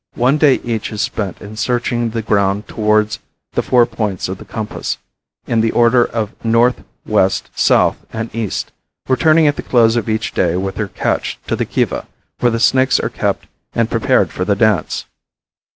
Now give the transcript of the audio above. One day each is spent in searching the ground towards the four points of the compass, in the order of north, west, south and east, returning at the close of each day with their catch to the Kiva, where the snakes are kept and prepared for the dance.